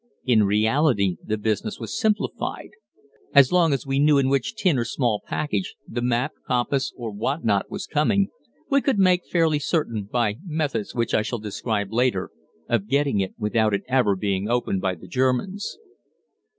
In reality the business was simplified. As long as we knew in which tin or small package the map, compass, or what not was coming, we could make fairly certain, by methods which I shall describe later, of getting it without it ever being opened by the Germans.